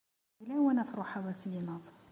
D lawan ad truḥeḍ ad tegneḍ.